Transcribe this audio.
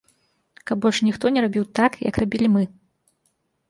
Каб больш ніхто не рабіў так, як рабілі мы.